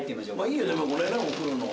いいよでもこれねお風呂の。